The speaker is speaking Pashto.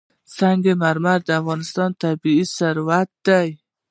سنگ مرمر د افغانستان طبعي ثروت دی.